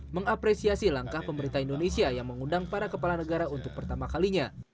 mengapresiasi langkah pemerintah indonesia yang mengundang para kepala negara untuk pertama kalinya